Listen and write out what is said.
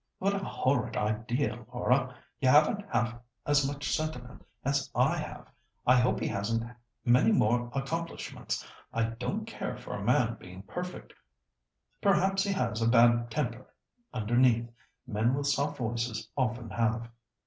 "What a horrid idea, Laura. You haven't half as much sentiment as I have. I hope he hasn't many more accomplishments; I don't care for a man being perfect. Perhaps he has a bad temper underneath. Men with soft voices often have."